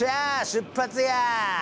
出発や！